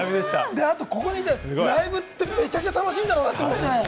あとここにいたらライブってめちゃくちゃ楽しいんだろうなって思いますよね。